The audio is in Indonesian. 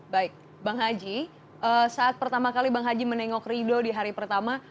baik bang haji saat pertama kali bang haji menengok ridho di hari pertama